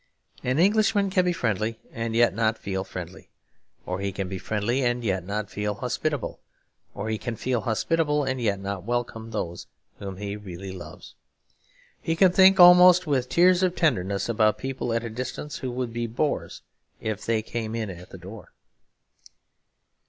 An Englishman can be friendly and yet not feel friendly. Or he can be friendly and yet not feel hospitable. Or he can feel hospitable and yet not welcome those whom he really loves. He can think, almost with tears of tenderness, about people at a distance who would be bores if they came in at the door.